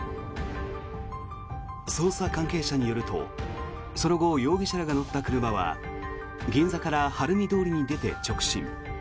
捜査関係者によるとその後、容疑者らが乗った車は銀座から晴海通りに出て直進。